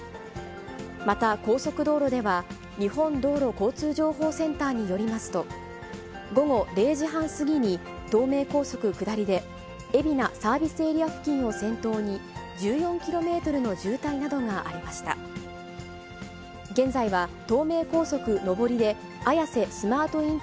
また、高速道路では、日本道路交通情報センターによりますと、午後０時半過ぎに、東名高速下りで海老名サービスエリア付近を先頭に、１４キロメートルの渋滞などがありました。